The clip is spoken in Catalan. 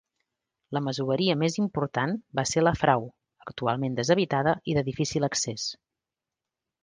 La masoveria més important va ser La Frau, actualment deshabitada i de difícil accés.